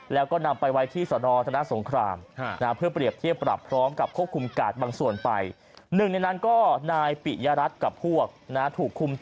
แล้วก็นำไปไว้ที่สนศนสงคราม